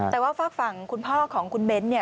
แต่ว่าฝากฝั่งคุณพ่อของคุณเบ้นเนี่ย